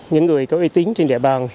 những người có uy tín trên địa bàn